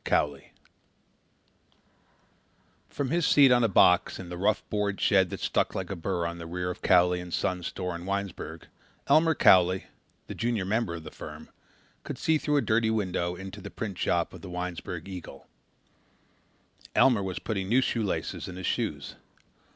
"QUEER" From his seat on a box in the rough board shed that stuck like a burr on the rear of Cowley & Son's store in Winesburg, Elmer Cowley, the junior member of the firm, could see through a dirty window into the printshop of the Winesburg Eagle. Elmer was putting new shoelaces in his shoes.